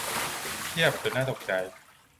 เพียบจนน่าตกใจ